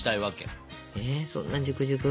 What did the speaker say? えそんなジュクジュク？